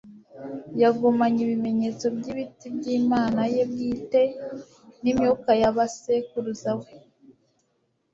yagumanye ibimenyetso by'ibiti by'imana ye bwite n'imyuka ya basekuruza. we